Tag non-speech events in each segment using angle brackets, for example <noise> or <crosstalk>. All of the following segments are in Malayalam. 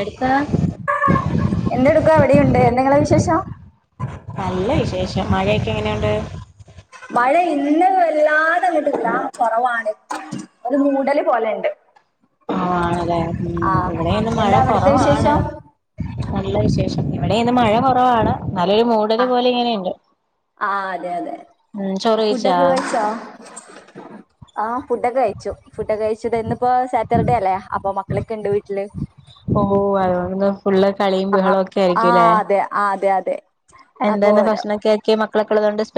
എടുത്താ എന്തെടുക്ക അവിടെയുണ്ട് എന്ത ഇങ്ങളെ വിശേഷം ക്കെ എങ്ങനെണ്ട് മഴ ഇന്ന് വല്ലാതങ്ങിട്ടില്ല കുറവാണ് ഒരു മൂടല് പോലെ ഇണ്ട് ആ ആണ് ല്ലേ ഉം ഇവിടെന്ന് മഴ എന്താ അവിടുത്തെ കൊറവാണ് വിശേഷം നല്ല വിശേഷം ഇവിടെ ഇന്ന് മഴ കുറവാണ് നല്ലൊരു മൂടല് അ പോലെ ഇങ്ങനെയുണ്ട് ആ അതെ അതെ ഉം ചോറ് കഴിച്ചാ ഫുഡൊക്കെ കഴിച്ചോ ആ ഫുഡൊക്കെ കഴിച്ചു ഫുടൊക്കെ കഴിച് ഇന്ന് ഇപ്പൊ സാറ്റർഡേ അല്ലേ അപ്പം മ ക്കളൊക്കെ ഇണ്ട് വീട്ടില് ഓഓ <unintelligible> ഫുള്ള് കളിയും ആ ബഹള ഒക്കെ ആ ആയിരിക്കുംല്ലെ അതെ ആ അതെ അതെ അപ്പൊ എന്താന്ന് ഭക്ഷണക്കെ ആക്കിയ <unintelligible>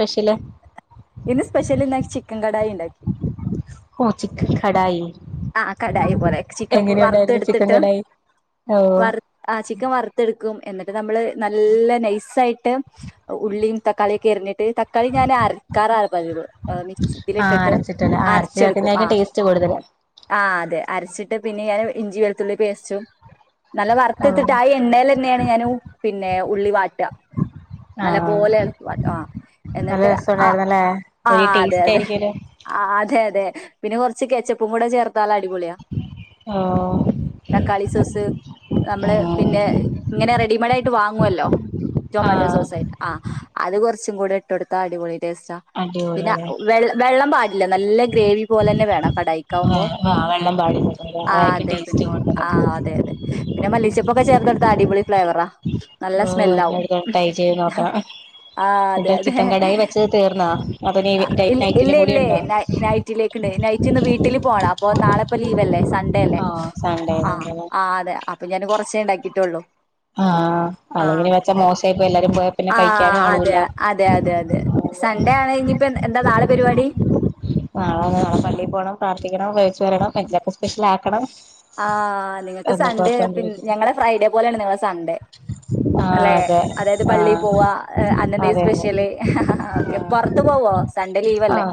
ഇന്ന് സ്പെഷ്യലി ചിക്കൻ കടായി ഇണ്ടാക്കി ഓഹ് ചിക്കൻ കടായി ആ കടായി പോലെ ചിക്കൻ എങ്ങനെയുണ്ടായിരുന്നു ചിക്കൻ വറുത്തെടുത്തിട്ട് കടായി ഓഹ് ആ ചിക്കൻ വറുത്തെടുക്കും എന്നിട്ട് നമ്മള് നല്ല നൈസ് ആയിട്ട് ഉള്ളിയും തക്കാളി <unintelligible> തക്കാളി ഞാൻ അരക്കാറാ പതിവ് ആഹ് മിക്സിലിട്ടിട്ട് അരച്ചിട്ടല്ലേ ആഹ് അരച്ച് അരച്ചെടുക്കും ആ ചേർക്കുന്നതായിരിക്കും ടേസ്റ്റ് കൂടുതല് ആ് അതെ അരച്ചിട്ട് പിന്നെ ഞാൻ ഇഞ്ചി വെളുത്തുള്ളി പേസ്റ്റും നല്ല ഓഹ് വറുത്തെത്തിട്ട് ആ എണ്ണയിൽ തന്നെയാണ് ഞാൻ പിന്നെ ഉള്ളി വാട്ടുക നല്ല ആഹ് പോലെ ഇളക്കി വാട്ടുക ആ നല്ല എന്നിട്ട് ആ രസമുണ്ടായിരുന്നല്ലേ ആ ഒരു അതെ ടേസ്റ്റ് അതെ ആയിരിക്കുമല്ലോ ആ അതെ അതെ പിന്നെ കുറച്ച് കച്ചപ്പ് <unintelligible> ചേർത്ത് <unintelligible> അടിപൊളിയാ ആഹ് തക്കാളി സോസ് നമ്മള് പിന്നെ ഇങ്ങനെ റെഡിമേയ്ഡ് ആയിട്ട് വാങ്ങുല്ലോ ടൊമാറ്റോ ആഹ് സോസ് ആ അത് കൊർച് <unintelligible> കൂടെ ഇട്ട് കൊട്‌ത്ത അടിപൊള പിന്നെ അടിപൊളിയാണ് വെള്ളം പാടില്ല നല്ല ഗ്രേവി പോലെ തന്നെ വേണം കടായി ആ <unintelligible> ആ വെള്ളം പാടി ആ അതായിരിക്കും അതെ ടേസ്റ്റ് പിന്നെ കൂടുതല് ആ അതെ അതെ പിന്നെ മല്ലിച്ചപ്പൊക്കെ ചേർതൊടുത്ത അടിപൊളി ഫ്ലേവറാ നല്ല ഓ സ്മെല്ലാവും അടുത്ത ട്രൈ ചെയ്ത് നോക്കണം ആ അതെ എന്നിട്ട് അതെ ചിറ്റൻ കടായി വെച്ചത് തീർന്നാ അതന് ആ, ഇല്ല ഇല്ല നൈറ്റിലും കൂടി ഇല്ലേ ഉണ്ടോ ട്ടില് പോണം അപ്പൊ നാളെപ്പൊ ലീവല്ലേ സൺഡേ അല്ലേ ആഹ് സൺഡേ ആ ആയതുകൊണ്ടല്ലേ ആ അതെ അപ്പൊ ഞാൻ കുറച്ചേ ഉണ്ടാക്കിട്ടുള്ളു ആഹ് ആ അല്ലെങ്കില് വെച്ചാ അപ്പ മോശായിപ്പോയി എല്ലാരും പോയാ പിന്നെ ആ കഴിക്കാനും അതെ ആളൂല്ല അതെ അതെ അതെ സൺഡേ ആണെങ്കിപ്പ എ എന്താ നാളെ പരിപാടി നാളെ നാളെ പള്ളിയിൽ പോകണം പ്രാർത്ഥിക്കണം തിരിച്ച് വരണം <unintelligible> സ്പെഷ്യൽ ആക്കണം ആ നിങ്ങക്ക് എന്നൊക്കെ സൺഡേ പിന്ന ഓർത്തോണ്ടിരിക്കുന്നു ഞങ്ങളെ ഫ്രൈഡേ പോലെയാണ് നിങ്ങളെ സൺഡേ ആഹ് അല്ലെ അതെ അതായത് പള്ളിയിൽ ആഹ് പോവാ അന്നന്തേലും അതെ അതെ സ്പെഷ്യല് ഓക്കെ ആഹ് പുറത്ത് പോവോ സൺഡേ ലീവല്ലേ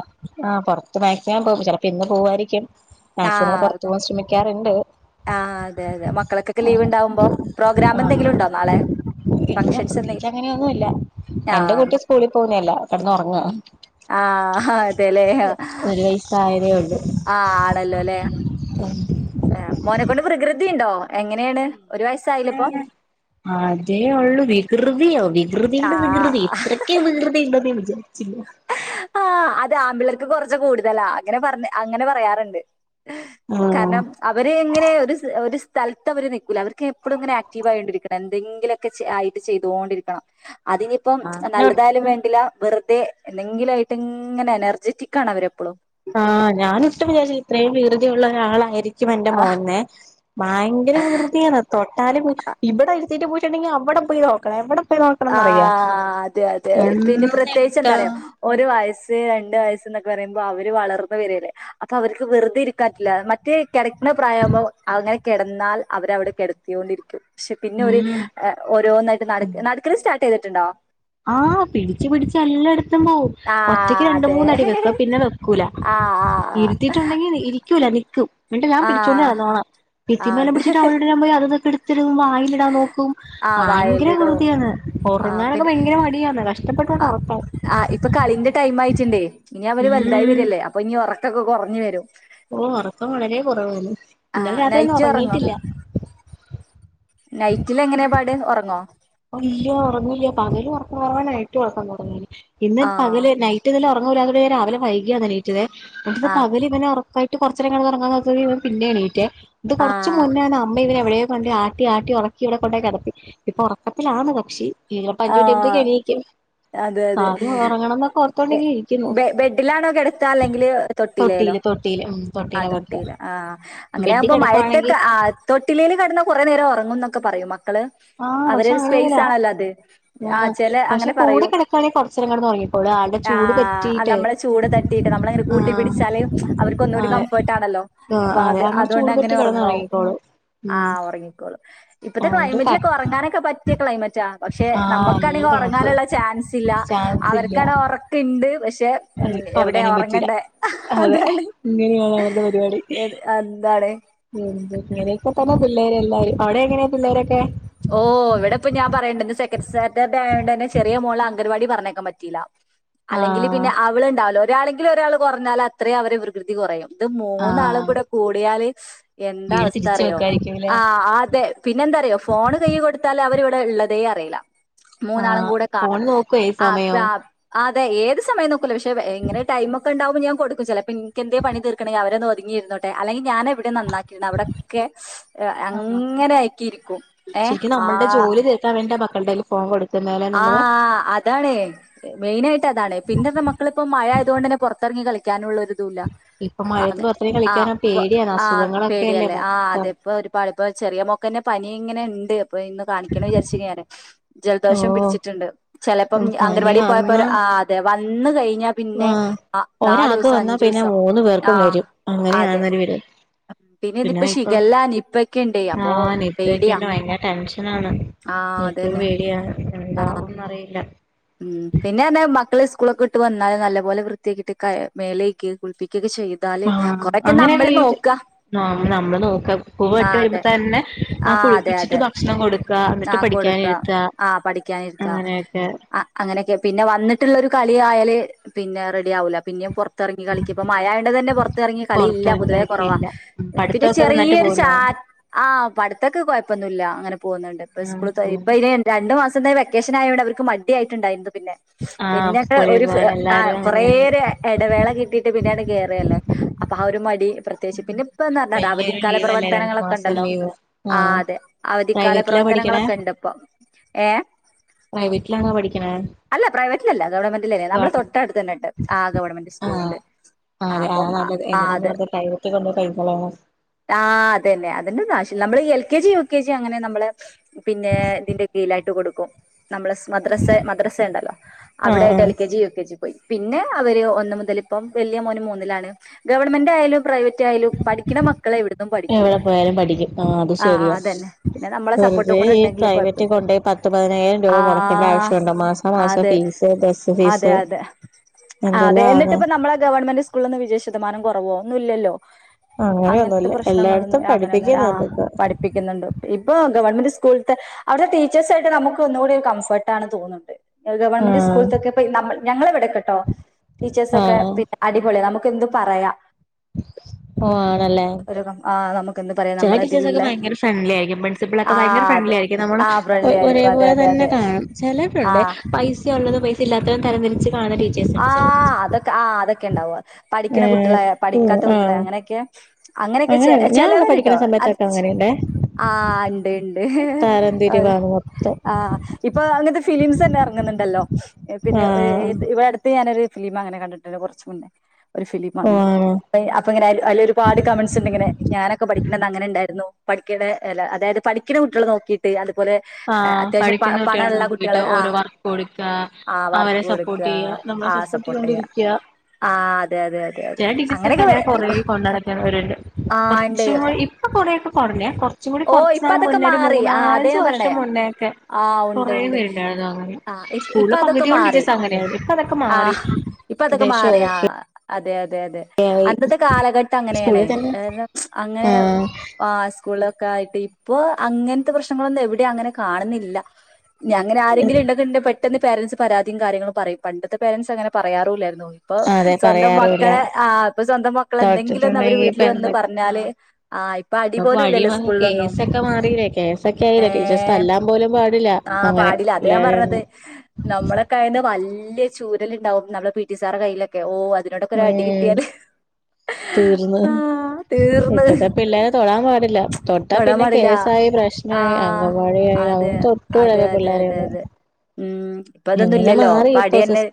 ആ പുറത്ത് മാക്സിമം പോകും ചെലപ്പോ ഇന്ന് പോവായിരിക്കും മാക്സിമം പുറത്ത് പോകാൻ ശ്രമിക്കാറി ണ്ട് ആ അതെ അതെ മക്കള്ക്കെക്കെ ലീവ് ഉണ്ടാവുമ്പോ പ്രോഗ്രാം ആഹ് എന്തെങ്കിലും ഉണ്ടോ നാളെ ഇല്ല ഫംഗ്ഷൻസ് എന്തേല പ്രത്യേകിച്ച് അങ്ങനെയൊന്നുല്ല ആ എന്റെ കുട്ടി സ്കൂളിൽ പോകുന്നതല്ല കെടന്നൊറങ്ങാ ആ അതെ ഒരു വയസ് ആയതേ ഉള്ളൂ ആ മോനെക്കൊണ്ട് വികൃതിയുണ്ടോ എങ്ങനെയാണ് ഒരു വയസ്സായില്ലേ ഇപ്പൊ അതേ ഉള്ളു വികൃതിയോ വികൃതിടെ വികൃതി ആഹ് ഇത്രക്ക് വികൃതി ഉണ്ടെന്ന് ജാരിച്ചില്ല ആ അത് ആമ്പിളാർക്ക് കൊറച്ച് കൂടുതലാ അങ്ങനെ പറഞ്ഞ അങ്ങനെ പറയാറുണ്ട് കാരണം ആഹ് അവര് എങ്ങനെ ഒരു ഒരു സ്ഥലത്ത് അവര് നിൽക്കൂല അവർക്ക് എപ്പഴും ഇങ്ങനെ ആക്റ്റീവ് ആയോണ്ടിരിക്കണം എന്തെങ്കിലുമൊക്കെ ചെ ആയിട്ട് ചെയ്തോണ്ടിരിക്കണം അതിനിപ്പം ഞാന് നല്ലതായാലും വേണ്ടില്ല വെറുതെ എന്തെങ്കിലും ആയിട്ടും ഇങ്ങനെ എനർജെറ്റിക്കാണ് അവര് എപ്പളും ആ ഞാൻ ഒട്ടും വിചാരിച്ചില്ല ഇത്രയും വികൃതിയുള്ള ഒരാളായിരിക്കും ക്കും എന്റെ ആ മോൻന്നെ ഭയങ്കര വികൃതിയാണ് തൊട്ടാലും ഇവിടെ ത്തിയിട്ട് പോയിട്ടുണ്ടെിൽ അവിടെ പോയി നോക്കണം എവടെ ആ അതെ അതെ അതെ പിന്നെ പ്രത്യേകിച്ച് എന്താ എന്തെടുക്കാ അറിയോ ഒരു വയസ്സ് രണ്ട് വയസ്സ് എന്നൊക്കെ പറയുമ്പോ അ അവര് വളർന്ന് വരുവല്ലേ അപ്പൊ അവര്ക്ക് വെറുതെ ഇരിക്കാൻ പറ്റില്ല മറ്റേ കിടക്കുന്ന പ്രായം ആവുമ്പോ അങ്ങനെ കിടന്നാൽ അവരവിടെ കിടത്തിയോണ്ടിരിക്കും പക്ഷെ പിന്നെ ഒരു ഉം ഓരോന്നായിട്ട് നട നട ൻ സ്റ്റാർട്ട് ചെയ്തിട്ടുണ്ടോ ആ പിടിച്ചു പിടിച്ച് എല്ലട ത്തും പോവും ഒറ്റയ്ക്ക് ആഹ് രണ്ട് അതെ മൂന്നടി വെക്കും പിന്നെ വെക്കൂല ആഹ് ആഹ് ഇരുത്തിട്ടുണ്ടെങ്കിൽ ഇരി രിക്കൂല നിക്കും എന്നിട്ട് ഞാൻ ആഹ് പിടിച്ചോണ്ട് ആഹ് നടന്നോണം. ഭിത്തി ആഹ് മേല അതെ പിടിച്ചിട്ട് അവടെടുക്കാൻ പോയി അവിടുന്ന് എടു വായിലിടാൻ നോക്കും ആഹ് ഭയങ്കര വികൃതിയാണ് ഉറങ്ങാൻ ആ ആ ഇപ്പൊ കളീന്റെ ടൈം ആയിട്ടുണ്ടേ ഇനി അവര് വലുതായി ഉം വരുവല്ലേ അപ്പൊ ഇനി ഇതൊക്കെ കുറഞ്ഞു വരും ഓ ഉറക്കം വളരേ കുറവാണ് ഇന്നലെ ആഹ് രാത്രൊന്നും നൈറ്റ് ഒറങ്ങോ ഉറങ്ങീട്ടില്ല നൈറ്റിൽ എങ്ങനെപാട് ഉറങ്ങോ ഇല്ല ഉറങ്ങില്ല പകലും ഉറക്കകുറവാണു വൈകിട്ടും ഉറകം കുറഞ്ഞേക്കുന്നു ഇന്ന് ആഹ് പകല് നൈറ്റ് നല്ല പറഞ്ഞ പോല രാവിലെ വൈകിയാണെനിറ്റത് ആഹ് പകല് ഇവനെ ഉറ വൈയിട് കുറച്ചുനേരം കിടന്നുറങ്ങമെന്നുവെച്ചാ ഇവൻ പിന്നെ എണീട്ടേ ഇത് കൊറച്ചു ആഹ് മുന്നേന്ന് അമ്മ ഇവെ എവിടെയ ണ്ട് ആട്ടി ആട്ടി ഉറക്കി ഇവിടെ കൊണ്ട കിടത്തി ഇപ്പൊ ഉറ കപ്പിലാന് കക്ഷി ഇ അഞ്ചു മിനിട്സ് കഴിയുമ്പോലേക്ക് ആഹ് എണീക്കും അതെ അതെ ആലും ഉറങ്ങണം എ- എന്നൊക്കെഓർത്തുകൊണ്ട് ഇരിക്കുന്നു ബെ ബെഡിലാണോ കിടത്താ തൊട്ടിയില് തൊട്ടിയില് ആ തൊട്ടിയിലാ കിടത്തുക തൊട്ടിൽ ആ ബെഡി അങ്ങനെയകുമ്പോ കിടക്കുവാണെങ്കി മയത്തൊക്കെ ആ തൊട്ടിലേയില് കിടന്ന കൊറെേ നേരം ഉറങ്ങുന്നൊക്കെ പറയും മക്കള് ആ പക്ഷെ അവരൊരു സ്പേസ് അങ്ങനെഒന്നുല്ല ആണല്ലോ അത് ആ ആഹ് ചെല പക്ഷെ അങ്ങനെ കൂടെ പറയും കിടക്കാണെങ്കിൽ കൊറച്ചനേരം കിടന്നുറങ്ങിക്കോളും ആന്റെ ചൂട് ആഹ് അല്ല പറ്റീട്ട് നമ്മളെ ചൂട് തട്ടിയിട്ട് നമ്മളങ്ങനെ ആ ആ ണല്ലോ അ അതുകൊണ്ടാങ്ങനെ ഉറങ്ങും കിടന്നുറങ്ങിക്കോളും അ ഉം ഉറങ്ങി ക്കോളുംഇപ്പോത്തെ അതുകൊണ്ട് ത ക്ലൈമറ്റ് ഉറങ്ങാനൊക്കെ പറ്റിയ ക്ലൈമറ്റാ പക്ഷെ ആഹ് നല്ല നമ്മുക്കാണെങ്കിൽ തണുപ്പ് ഉറങ്ങാനുള്ള ചാൻസ് ഇല്ല ചാൻസ് ഇല്ല അവർക്ക ഉറക്ക ഉണ്ട് പ പക്ഷേ ഉ എവിടെയാ ഉറങ്ങാനും ഉറങ്ങണ്ടേ അതാണ് ഇതാണ് അവന്റെ പരിപാടി എന്താണ് എന്ത് ഇങ്ങനെയൊക്കെ തന്നെ പിളേരായാൽ അവിടെ എങ്ങനെയാ പിള്ളേരൊക്കെ ഓ ഇവിടെ ഇപ്പൊ ഞാൻ പറയേണ ചില ഇന്ന് സെക്കൻഡ് സിസ്റ്റർഡേ ആയതുകൊണ്ട് തന്നെ ചെറിയ മോളെ അംഗൻവാടിയിലേക്ക് പറഞ്ഞേക്കാൻ പറ്റിയില്ല അല്ലെങ്കിൽ ആഹ് പിന്നെ അവള് ഉണ്ടാവല്ലോ ഒരാളെങ്കിലും ഒരാൾ കുറഞ്ഞാൽ അത്രയും അവരുടെ വികൃതി കുറയും ഇത് മൂന്നാളും ആഹ് കൂടെ കൂടിയാൽ എന്താ വീട് അവസ്ഥ തിരിച്ച് അറിയോ വെക്കായിരിക്കുംല്ലേ ആ അതെ പിന്നെ എന്താ അറിയോ ഫോൺ കയ്യിൽ കൊടുത്താൽ അവർ ഇവിടെ ഉള്ളത് അറിയില്ല മൂന്നാളും ആഹ് കൂടെ ഫോൺ കാണും നോക്കുവോ ഈ സമയവും ആ അതെ ഏത് സമയം നോക്കൂലേ പക്ഷെ എങ്ങനെ ടൈം ഒക്കെ ഉണ്ടാവും ഇപ്പൊ ഞാൻ കൊടുക്കും എന്റെ എന്തെങ്കിലും പണി തീക്കണെങ്കിൽ അവർ ഒതുങ്ങി ഇരുന്നോട്ടെ അല്ലെങ്കിൽ ഞാൻ ഇവിടെ നന്നാക്കിയിണ്ട് അവിടെൊക്കെ ആ അങ്ങനെ ആയിക്കി ഇരിക്കും ശരിക്കും നമ്മളുടെ ജോലി തീർക്കാൻ വെടിയിട്ടാണ് കുട്ടീടെ കൈയിൽ ഫോൺ കൊടുക് ആ അതാണ് മെയിൻ ആയിട്ട് അതാണ് പിന്നെ മക്കൾ ഇപ്പോ മഴ ആയതുകൊണ്ട് തന്നെ പുറത്തിറങ്ങി കളിക്ക പഠിക്കാനുള്ള യാതൊരു ഇതുമില്ല ഇപ്പൊ മഴയത്ത് പുറത്തിറങ്ങി ആ കളിക്കാനാ പേടിയാണ് ആ അസുഖങ്ങളൊക്കെയല്ലേ പേടിയല്ലേ ആ മൊത്തം അതെപ്പോ ചെറിയ മോൾക്ക് തന്നെ പനി ഇങ്ങനെ ഉണ്ട് ഇപ്പൊ ഇന്ന് കാണിക്കണ വിചാരിച്ചിരിക്കുകയാണ് ഞാൻ ജലദോഷം ഓഹ് പിടിച്ചിട്ടുണ്ട് ചിലപ്പോം പനി അങ്കൻവാടി പോയപ്പോ വന്നാ ആ അതെ വന്ന കഴിഞ്ഞാൽ പിന്നെ ആഹ് ആ നാലു ഒരാൾക്ക് ദിവസം വന്നാ അഞ്ചു പിന്നെ ദിവസം മൂന്ന് ആ പേർക്കും വരും അതെ അങ്ങനെയാന്നൊരു വീട് പിന്നെ ശികല നിപ്പ ഒക്കെയുണ്ട് അപ്പൊ പേടിയാ താങ്ക്സ് എനിക്കും പേടിയാ ആ ഉ പിന്നെന്താ മക്കളെ സ്കൂളൊക്കെ ഇട്ട് വന്നാലെ നല്ല പോലെ വൃത്തിയാക്കിട്ട് മേല് തേക്കുക കുളിപ്പിക്കുക ആഹ അങ്ങനെ നോക്കാ നമ്മൾ നോക്കുക പോയിട്ട് ആഹ് വരുമ്പോൾ അതെ തന്നെ ആ ആഹ് അതെ കുളിപ്പിച്ചിട്ട് അതെ ഭക്ഷണം കൊടുക്ക എന്നിട്ട് പഠിക്കാൻ ഇരുത്ത് പഠിക്കാൻ ഇരുത്തുക അങ്ങനൊക്കെ പിന്നെ വന്നിട്ടുള്ള കളിയാണോ സമയമായാൽ പിന്നെ റെഡി ആവൂല പിന്നെ പുറത്തിറങ്ങി കളിക്ക ഇപ്പ മഴ കണ്ട തന്നെ പുറത്തിറങ്ങി കളില്ല പൊതുവേ കുറവാ പൊറത്തിറങ്ങാക്കില്ല പിന്നെ പഠിത്തൊക്കെ നന്നായിട്ട് ചെറിയൊരു ചാ പോകുന്നോ ആ പടുത്തൊക്കെ കുഴപ്പമൊന്നുമില്ല അങ്ങനെ പോകുന്നു പോകുന്നുണ്ട് ഇപ്പോ സ്കൂളിൽ ആഹ് പോകുന്നുണ്ട് അതിനു രണ്ടുമാസം വെക്കേഷൻ ആയോണ്ട് അവർക്ക് മടി ആയിട്ടുണ്ടായിുന്നത് പിന്നെ ആഹ് പിന്നക്കെ സ്കൂളിൽ ഒരു പോവാൻ ആ എല്ലാരും കുറെ അങ്ങനെയാണ് ഒരു ഇടവേള കിട്ടിട്ട് പിന്നെയാണ് കേറിയല്ലേ അപ്പൊ ആ ഒരു മടി പ്രത്യേകിച്ച് പിന്നെ ഇപ്പ എാ പറഞ്ഞാ വല്യൊരു അവധിക്കാല ലീവല്ലേ രണ്ടു പ്രവർത്തനങ്ങളൊക്കെ മാസം ഉണ്ടല്ലോ ലീവ് ആ ആഹ് അതെ അവധിക്കാല പ്രൈവറ്റിലാ പ്രവർത്തനങ്ങളൊക്കെ ഇണ്ട് ഇപ്പൊ <inaudible> പ്രൈവേറ്റില ആണ പഠിക്കുന്നത് അല്ല പ്രൈവറ്റിലല്ല ഗവൺമെന്റിലല്ലേ നമ്മുടെ ഗവൺ തൊട്ടടുത്ത് തന്നെട്ട് ആ ഗവൺമെന്റ് സ്കൂള ആഹ് ഉണ്ട് ആഹ് അതെ അതാ അപ്പം നല്ലത് എന്തിനാന്ന് അത് വെറുതെ പ്രൈവറ്റി കൊണ്ടോയി പൈസ കളയണെ ആ അത് തന്നെ അതിന്റെ നമ്മള് L K G U K G അങ്ങനെ നമ്മള് പിന്നെ ഇതിന്റെ കീഴായിട്ട് കൊടുക്കും നമ്മ മദ്ര മ്ര ഉണ്ടല്ലോ അവിടെ ആഹ് ആട്ട് ആഹ് L K G U K G പോയി പിന്നെ അവര് ഒന്ന മുതൽ ഇപ്പം വലിയ മോന് മൂന്നിലാണ് ഗവൺമെന്റ് ആയാലും പ്രൈവറ്റ് ആയാലും പഠിക്കണ മക്കളെ ഇവിടുന്നും പഠിക്കൂ എവിടെ പോയാലും പഠിക്കും ആ അത് ശരിയാ അതന്നെ പിന്നെ നമ്മളെ സപ്പോർട്ടും വെറുതെ കൂടെ ഈ ഉണ്ടെങ്കിൽ കുഴപ്പ പ്രൈവറ്റ് കൊണ്ട്യി പത്ത പതിനായിരം രൂപ മുടക്കേണ്ട ആഹ് ആവശ്യമുണ്ടോ മാസ അതെ അതെ അതെ അ അതെ എന്തെല്ലാം എന്നിട്ട് ആന്ന് ഇപ്പ നമ്മളെ ഗവൺമെന്റ് സ്കൂളിൽ നിന്ന് വിജയ ശതമാനം കുറവോ ഒന്നുംല്ലല്ലോ അങ്ങനത്തെ അങ്ങനെയൊന്നുല്ല പ്രശ്നങ്ങളൊന്നും എല്ലായിടത്തും അങ്ങനെൊന്നുമല്ല ആ പഠിപ്പിക്കുന്നുണ്ട് ഇപ്പൊ പഠിപ്പിക്കുന്നുണ്ട് ഇപ്പൊ ഗവൺമെന്റ് സ്കൂളത്തെ അവിടെ ടീച്ചേഴ്സായിട്ട് നമുക്ക് ഒന്നുകൂടി ഒരു കംഫർട്ട് ആണ് തോന്നുന്നുണ്ട് ഗവൺമെന്റ് ആഹ് സ്കൂൾൊക്കെ ഞങ്ങള എവിടെയെട്ടോ ടീച്ചേഴ്സ ഒക്കെ ആഹ് പിന്നെ അടിപൊളി നമുക്ക് എന്ത് പറയാം പോവാണല്ലേ ആഹ് നമുക്കെന്ത് പറയാ ചില നമ്മള ടീച്ചേഴ്സൊക്കെ ഇതിലുള്ള ഭയങ്കര ഫ്രണ്ട്ലി ആയിരിക്കും പ്രിൻസിപ്പൾ ഒക്കെ ഭയങ്കര ആഹ് ഫ്രണ്ട്ലി അതെ ആയിരിക്കും നമ്മള് ആഹ് ഫ്രണ്ട്ലി ആയിരിക്കും അതെ ഒരേപോലെ അതെ തന്നെ അതെ കാണും ചിലരുണ്ട് ആഹ് പൈസ സ ഉള്ളത് പൈസ ഇല്ലത്തതും തരംതിരിച് ആഹ് അതൊക്കെ ആ അതൊക്കെ ഉണ്ടാവു ഏ പഠിക്കുന്ന കുട്ടികളെ പഠിക്കാത്ത കുട്ടികളെ ആഹ് അങ്ങനെയൊക്കെ അങ്ങനെയൊക്കെ ചെ അങ്ങനെ ഞാൻ അവിടെ ചെലവരിട്ടോ പഠിക്കുന്ന അത് സമയത്തൊക്കെ ചെ അങ്ങനെയുണ്ടേ ആ ഉണ്ട് ഉണ്ട് അത് തരംതിരിവാണ് മൊത്തം ആഹ് ഇപ്പൊ അങ്ങനത്തെ ഫിലിംസ് തന്നെ ഇറങ്ങുന്നുണ്ടല്ലോ പിന്നെ ആഹ് <unintelligible> ഇവിടെ അടു അങ്ങനൊരു ഫിലിം അങ്ങനെ കണ്ടിട്ടുണ്ട് കുറച്ച് മുന്നേ ഒരു ഫിലിം ഓ അങ്ങനെ ആണോ അപ്പ ഇങ്ങനെ അയിലൊരുപാട് കമന്റ്സ് ഉണ്ട് ഇങ്ങനെ ഞാനൊക്കെ പഠിക്കണത് അങ്ങനെ ഉണ്ടായിരുന്നു പഠിക്കണ അത് അതായത് പഠിക്കണ കുട്ടികളെ നോക്കിയിട്ട് അത് ആഹ് പഠിക്കുന്ന കുട്ടികളെ നോക്കിട്ട് കുട്ടികളെ ആ ഓരോ വർക്ക് കൊടുക്ക ആ വർക്ക് അവരെ സപ്പോർട്ട് കൊടുക്കുക ചെയ്യ ആ സപ്പോർട്ട് ചെയ്യുക ആ അതെ അതെ അതെ അതെ അങ്ങനെയൊക്കെ വ ആ ഉണ്ട് ഓ ഇപ്പൊ അതൊക്കെ മാറി ആ അതാ ഞാൻ പറഞ്ഞേ <unintelligible> മുന്നെ ഒക്കെ ആ ഉണ്ട് കൊറേ ഉണ്ട് പേരുണ്ടാരുന്നു അങ്ങനെ ആ ഇപ്പ സ്കൂളിലെ അതൊക്കെ പകുതിയോളം ടീച്ചേർസ് മാറി അങ്ങനെയാരുന്ന് ഇപ്പോ അതൊക്കെ മാ ആഹ് ഇപ്പൊ അതൊക്കെ മാറിയാ അതെ അത് അതെ അതെ അന്നത്തെ കാലഘട്ടം അങ്ങനെയാണേ സ്കൂളിൽ തന്നെ അങ്ങനെ ആഹ് ആ സ്കൂള് ഒക്ക ആയിട്ട് ഇപ്പൊ അങ്ങനത്തെ പ്രശ്നങ്ങളൊന്നും എവിടെ അങ്ങനെ കാണുന്നില്ല ഞങ്ങനെ ആരെങ്കിലും ഉണ്ടെന്നുണ്ടേ പെ ട്ടെന്ന് പേരന്റ്സ് പരാതിയും കാര്യങ്ങളും പറയും പണ്ടത്തെ പാരന്റ്സ് അങ്ങനെ പറയാറൂല്ലാരു ഇപ്പൊ അതെ സ്വന്തം പറയാറുല്ല മക്കളെ ആ ഇപ്പൊ സ്വന്തം മക്കള എന്തെങ്കിലൊന്ന് അവര് തൊട്ടിട്ടുണ്ടെങ്കി വീട്ടിൽ ഇപ്പൊ വന്ന് എന്ത പറഞ്ഞാല് ആ ഇപ്പൊ നമുക്ക് വഴി അടിപോലുംഇല്ലല്ലോ വന്ന് സ്കൂളിലൊന്നും കേസൊക്കെ മാറിയില്ലേ കേസൊക്കെ ഏ ആയില്ലേ ടീച്ചേഴ്സ് തല്ലാൻ പോലും പാടില്ല ആ അങ്ങനെ പാടില്ല അത ഞാൻ എല്ലാരും പറഞ്ഞത് നമ്മളൊക്കെ ആയന്ന് വല്യ ല് ചൂരല് ഉണ്ടാവും നമ്മള പി ടി സാറെ കയ്യിലൊക്കെ ഓ അതിനോടൊക്കെ ഒരു അടി ഉം കിട്ടിയാല് തീർന്ന് ആഹ് തീർന്ന് ഇപ്പഴ്ത്തെ പിള്ളേരെ തൊടാൻ പാ <unintelligible> തൊട്ടാ തൊടാൻ പിന്നെ പാടില്ല കേസായി പ്രശ്നായി ആഹ് അങ്കവാടി ആയി അത് അതെ കൊണ്ട് തൊട്ടുട ഇപ്പോ പിള്ളോരെ ഒന്ന് ഇപ്പ അതൊന്നും ഇല്ലല്ലോ അപ്പ അടി തന്നെ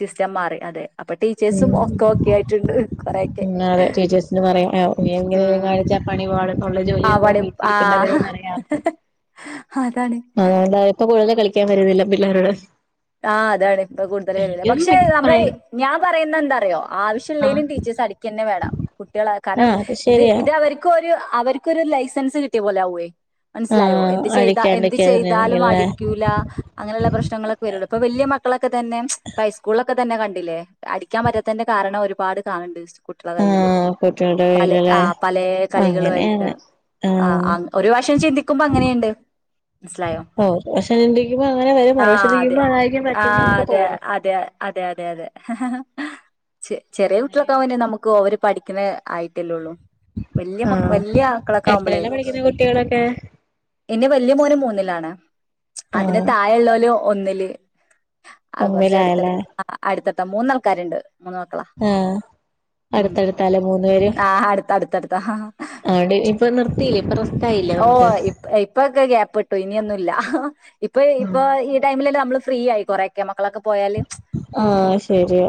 സിസ്റ്റം മാറി അതെ അപ്പൊ ടീച്ചേഴ്സും ഒക്ക ഒക്കെ ആയിട്ടുണ്ട് കൊറെയൊക്കെ പിന്നെ അതെ ടീച്ചേഴ്സിന് പറയാ ആഹ് എങ്ങനെലും ഉം കാണിച്ചാ പണി പാളും ആഹ് പണി ആഹ് അതാണ് <unintelligible> <unintelligible> വരുന്നില്ല പിള്ളോരോട് ആ അതാണ് ഇപ്പൊ കൂടുതൽ വരൂല്ല പക്ഷെ നമ്മള് പറയാ ഞാൻ പറയുന്ന എന്താറിയോ ആവശ്യം ആഹ് ഉള്ളേനും ടീച്ചേഴ്സ് അടി ക്ക ന്നെ വേണം കുട്ടികളായ കാരണം ആഹ് അത് ഇത് ശരിയാ ഇതവര്ക്കു ഒരു അവർക്കൊരു ലൈസൻസ് കിട്ടിയ പോലെ ആവോയ് മനസ്സിലായോ ആഹ് എന്ത്‌ ചെയ്ത എന്ത് എന്ത് ചെയ്താലും അടിക്കാണ്ടിരിക്കാതിരിക്കല്ലേ അടിക്കൂല അങ്ങനെയുള്ള പ്രശ്നം <unintelligible> <unintelligible> വല്യ മക്കളെ ക്കെതന്നെഹൈസ്‌കൂളൊ പ്പ തന്നെ കണ്ടില്ലേ അടിക്കാൻ പറ്റാത്തിന്റെ കാരണം ഒരുപാട് കാണണ്ട് കുട്ടികളെ കയ്യില് ആഹ് കുട്ടികളുടെ പലേ ആ പേരിലല്ലേ പലേ കളികളു ആയിട്ട് അങ്ങനെയാണ് ആ ആഹ് അങ്ങ ഒരു വശം ചിന്തിക്കുമ്പോ അങ്ങനേണ്ട് മനസിലായോ ഓ പക്ഷെ ചിന്തിക്കുമ്പോ അങ്ങനെ വരും ആ മറുവശം ആ അതെ ചിന്തിക്കുമ്പോ അതായിരിക്കും പറ്റും നമുക്ക് അതെ തോന്നും അതെ അതെ അതെ ചെറിയ കുട്ടികൾക്കാവുമ്പോൾ നമുക്ക് ഓര് പഠിക്കുണെ ആയിട്ടല്ലേള്ളൂ വല്യ ആ മ വല്യ ആക്കളൊക്കെ ആവുമ്പോളേ എത്രലാ പഠിക്കുന്ന കുട്ടികളൊക്കെ. എന്റെ വല്യ മോന് മൂന്നിലാണ് അതിന് ആഹ് താഴെ ഉള്ളോലും ഒന്നില് ആ കുറച്ചടുത്ത ഒന്നിലായല്ലേ അടുത്ത മൂന്നാൾക്കാരുണ്ട് മൂന്ന് മക്കളാ ആ ഉം അടുത്തടുത്തല്ല മൂന്ന് പേര് ആഹ് <unintelligible> റെസ്റ്റ് ആയില്ലേ ഓ നമുക്ക് ഇപ ഇപ്പൊക്കെ ഗ്യപ്പിട്ടു ഇനിയൊന്നുല്ല ഇപ്പൊ ഇപ്പൊ ഈ ടൈമിലല്ല ഫ്രീ ആയി കുറേക്കേ മക്കളൊക്കെ പോയാലും ആഹ് ശരിയാ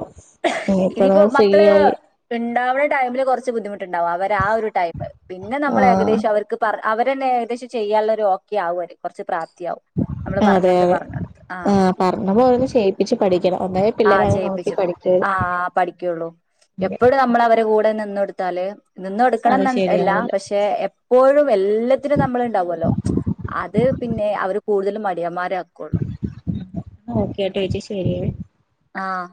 ഇനിയിപ്പോ ഇനിപ്പോ നമ്മള് ഫ്രീ മക്കള് ആയി ഇണ്ടാവ്ണ ടൈമില് കൊറച്ച് ബുദ്ധിമുട്ടുണ്ടാവും അവരാ ഒരു ടൈമ് പിന്നെ നമ്മള് ആഹ് ഏകദേശം അവർക്ക് പറ അവരന്നെ ഏദേശം ചെയ്യാള്ള ഒരു ഓക്കെ ആവും അവര് കുറച്ച് പ്രാ ത്യം നമ്മള് പറഞ്ഞ കൊടുത്ത് പറഞ്ഞ കൊടുത്ത് ആഹ് പറഞ്ഞപ്പൊന്നൂടി ചെയ്യിപ്പിച്ച് പഠിക്കണം ഒന്നാമത് ആഹ് പിള്ളേരത് നോക്കി ചെയ്യിപ്പിച്ചു ആ പഠിക്കരുത് പഠിക്കുള്ളൂ എപ്പഴും നമ്മള അവരെ കൂടെന്ന് ന്നോട്ത്താല് അത് നിന്ന്കൊടുക്കണംന്ന് എല്ല ശരിയാവില്ല പക്ഷെ പോഴും എല്ലത്തിനും നമ്മള് ഇണ്ടാവൊല്ലോ അത് പിന്നെ അവർ കൂടുതലും മടിയന്മാരാ ഓക്കെട്ടോ യേച്ചി ശരിയേ ആഹ്